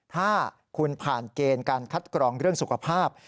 ถ้าคุณผ่านเกณฑ์การคัดกรองเรื่องสุขภาพ